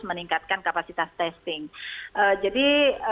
memperbaikkan kapasitas testing jadi